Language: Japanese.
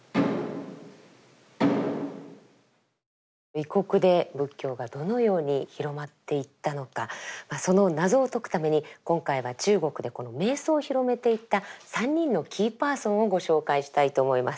異国で仏教がどのように広まっていったのかその謎を解くために今回は中国でこの瞑想を広めていった３人のキーパーソンをご紹介したいと思います。